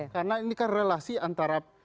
karena ini kan relasi antara